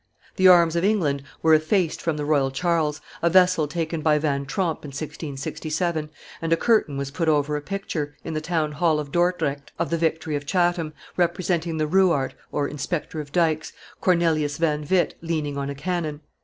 The arms of England were effaced from the Royal Charles, a vessel taken by Van Tromp in 1667, and a curtain was put over a picture, in the town hall of Dordrecht, of the victory at Chatham, representing the ruart [inspector of dikes] Cornelius van Witt leaning on a cannon.